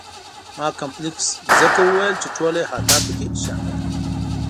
ما کمپلکس ځکه وویل چې ټوله احاطه په کې شامله ده.